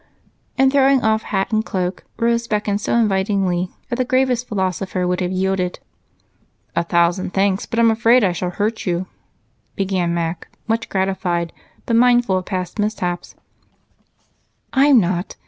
And, throwing off her hat and cloak, Rose beckoned so invitingly that the gravest philosopher would have yielded. "A thousand thanks, but I'm afraid I shall hurt you," began Mac, much gratified, but mindful of past mishaps. "I'm not.